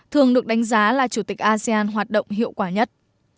thường được đánh giá là chủ tịch asean hoạt động hiệu quả nhất